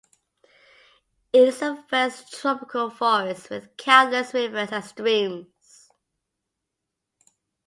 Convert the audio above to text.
It is a vast tropical forest with countless rivers and streams.